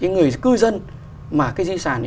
người cư dân mà cái di sản